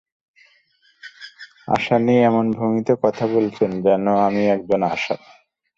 আসানী এমন ভঙ্গিতে কথা বলছেন যেন আমি একজন আসামী।